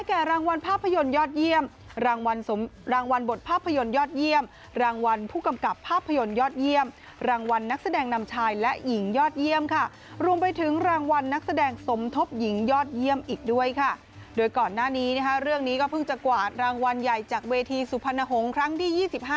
ค่ะเรื่องนี้ก็พึ่งจะกว่ารางวัลใหญ่จากเวทีสุพานหงษ์ครั้งที่๒๕